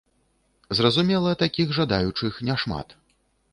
Зразумела, такіх жадаючых няшмат.